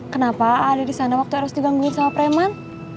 kenapa ada di sana waktu harus digangguin sama preman